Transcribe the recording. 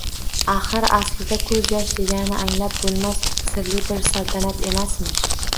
Axir, aslida ko‘zyosh degani — anglab bo'lmas sirli bir saltanat emasmi?